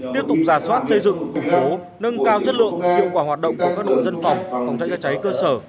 tiếp tục giả soát xây dựng củng cố nâng cao chất lượng hiệu quả hoạt động của các đội dân phòng phòng cháy chữa cháy cơ sở